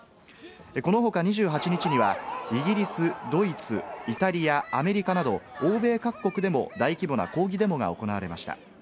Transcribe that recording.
この他２８日にはイギリス、ドイツ、イタリア、アメリカなど欧米各国でも大規模な抗議デモが行われました。